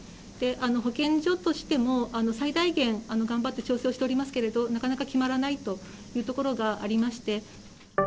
保健所としても、最大限頑張って調整をしておりますけれども、なかなか決まらないというところがありまして。